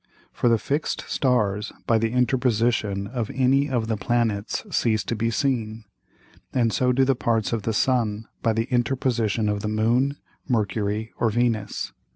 For the fix'd Stars by the Interposition of any of the Planets cease to be seen. And so do the Parts of the Sun by the Interposition of the Moon, Mercury or Venus.